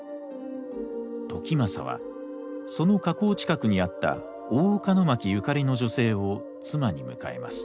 時政はその河口近くにあった大岡牧ゆかりの女性を妻に迎えます。